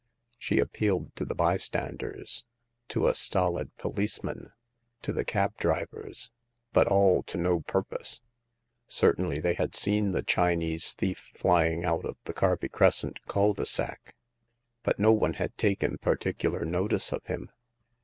She appealed to the bystanders, to a stolid policeman, to the cab drivers ; but all to no purpose. Certainly they had seen the Chinese thief flying out of the Carby Crescent ctil'de saCj but no one had taken particular notice of him.